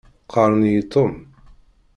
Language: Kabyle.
Qqaṛen-iyi Tom.